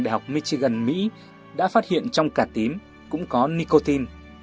đại học michigan mỹ đã phát hiện trong cả tím cũng có nicotine